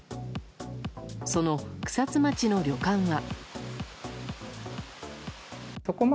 その草津町の旅館は。